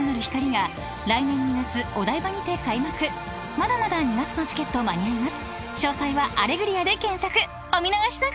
［まだまだ２月のチケット間に合います］